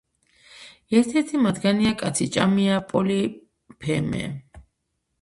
ერთ-ერთი მათგანია კაციჭამია პოლიფემე.